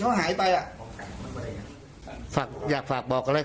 เราทำไปเพื่ออะไร๖โรงเรียน